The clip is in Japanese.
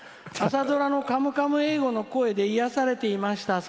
朝ドラの「カムカム英語」のコーナーで癒やされていました。